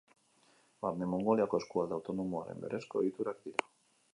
Barne Mongoliako eskualde autonomoaren berezko egiturak dira.